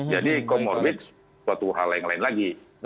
jadi comorbid suatu hal lain lain lagi